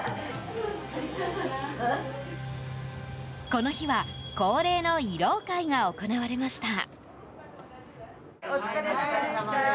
この日は恒例の慰労会が行われました。